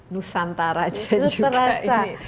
nusantara aja juga ini